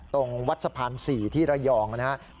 ตรงวัดสะพาน๔ที่ระยองนะครับ